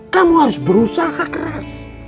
kamu harus berusaha keras